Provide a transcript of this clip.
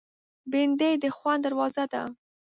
بېنډۍ د خوند دروازه ده